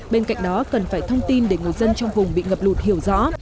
bên cạnh đó cần phải thông tin để người dân trong vùng bị ngập lụt hiểu rõ